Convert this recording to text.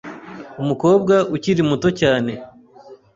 Umukobwa ukiri muto cyane.